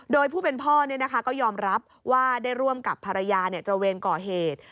โดยผู้เป็นพ่อก็ยอมรับว่าได้ร่วมกับภรรยาตระเวนก่อเหตุ